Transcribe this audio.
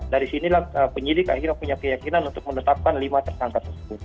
dari sinilah penyidik akhirnya punya keyakinan untuk menetapkan lima tersangka tersebut